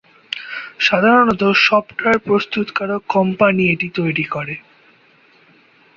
সাধারণত সফটওয়্যার প্রস্তুতকারক কোম্পানি এটি তৈরি করে।